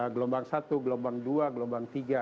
gelombang satu gelombang dua gelombang tiga